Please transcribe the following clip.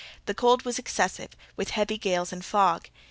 the cold was excessive, with heavy gales and fog.